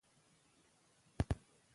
دېواني خط؛ د خط یو ډول دﺉ.